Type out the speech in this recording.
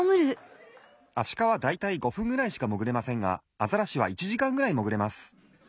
アシカはだいたい５ふんぐらいしかもぐれませんがアザラシは１じかんぐらいもぐれます。